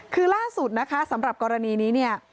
คือล่าสุดนะคะสำหรับกรณีนี้เนี่ย